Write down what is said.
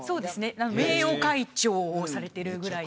名誉会長をされているぐらい。